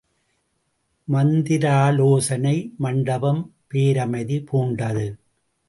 மந்திராலோசனை மண்டபம் பேரமைதி பூண்டது.